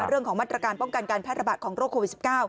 เรื่องของมาตรการป้องกันการแพร่ระบาดของโรคโควิด๑๙